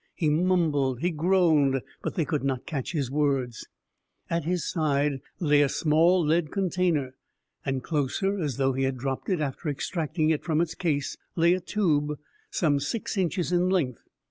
He mumbled, he groaned, but they could not catch his words. At his side lay a small lead container, and closer, as though he had dropped it after extracting it from its case, lay a tube some six inches in length.